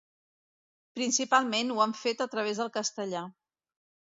Principalment ho han fet a través del castellà.